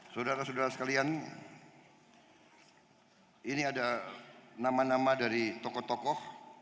saudara saudara sekalian ini ada nama nama dari tokoh tokoh